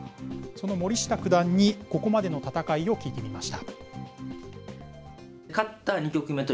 その森下九段にここまでの戦いを聞いてみました。